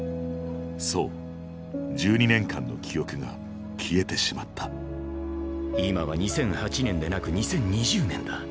そう１２年間の記憶が消えてしまった今は２００８年でなく２０２０年だ。